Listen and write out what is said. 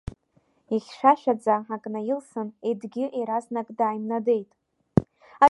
Ихьшәашәаӡа ак наилсын, Едгьы еразнак дааимнадеит…